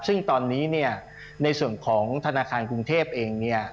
ซึ่งตอนนี้ในส่วนของธนาคารกรุงเทพเอง